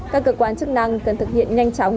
các cơ quan chức năng cần thực hiện nhanh chóng